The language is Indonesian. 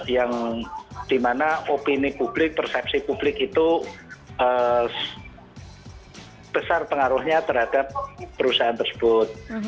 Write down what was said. yang dimana opini publik persepsi publik itu besar pengaruhnya terhadap perusahaan tersebut